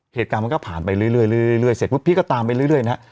เหตุการณ์มันก็ผ่านไปเรื่อยเสร็จปุ๊บพี่ก็ตามไปเรื่อยนะฮะ